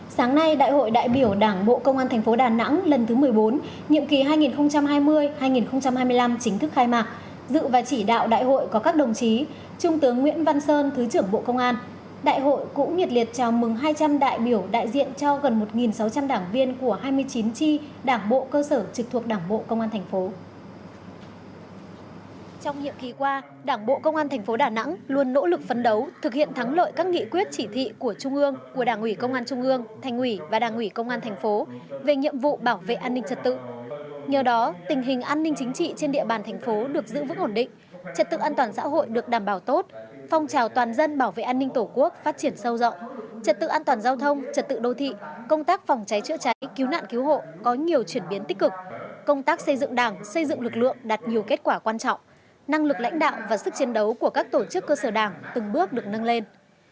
sáng nay đại hội đại biểu đảng bộ công an tp đà nẵng lần thứ một mươi bốn nhiệm kỳ hai nghìn hai mươi hai nghìn hai mươi năm chính thức khai mạc dự và chỉ đạo đại hội có các đồng chí trung tướng nguyễn văn sơn thứ trưởng bộ công an